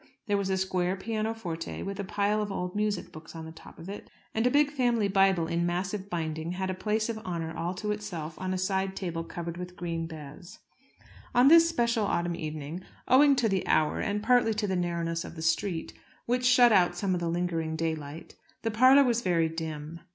There was a square pianoforte with a pile of old music books on the top of it; and a big family Bible in massive binding had a place of honour all to itself on a side table covered with green baize. On this special autumn evening, owing to the hour, and partly to the narrowness of the street, which shut out some of the lingering daylight, the parlour was very dim.